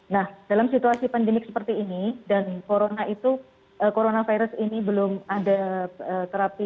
nah dalam situasi pandemik seperti ini dan coronavirus ini belum ada terapi